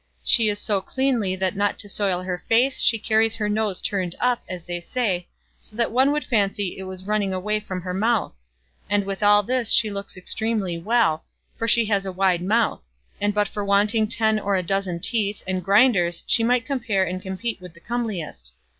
She is so cleanly that not to soil her face she carries her nose turned up, as they say, so that one would fancy it was running away from her mouth; and with all this she looks extremely well, for she has a wide mouth; and but for wanting ten or a dozen teeth and grinders she might compare and compete with the comeliest.